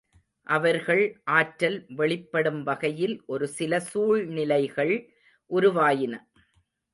அவர்கள் ஆற்றல் வெளிப்படும் வகையில் ஒரு சில சூழ்நிலைகள் உருவாயின.